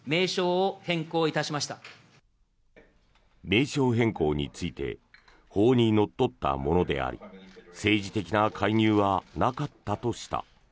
名称変更について法にのっとったものであり政治的な介入はなかったとした。